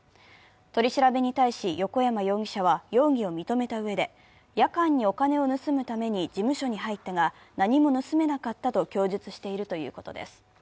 取り調べに対し、横山容疑者は容疑を認めたうえで夜間にお金を盗むために事務所に入ったが、何も盗めなかったと供述しているということです。